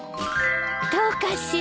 どうかしら。